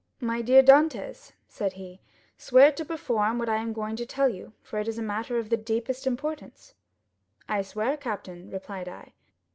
'My dear Dantès,' said he, 'swear to perform what I am going to tell you, for it is a matter of the deepest importance.' "'I swear, captain,' replied I.